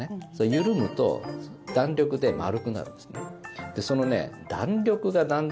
緩むと弾力で丸くなるんですね。